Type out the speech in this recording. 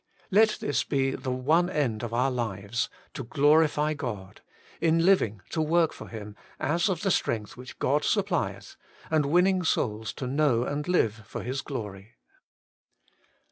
4. Let this be the one end of our lives — to glo rify God ; in living to work for Him, ' as of the strength which God supplieth '; and winning souls to know and live for His glory.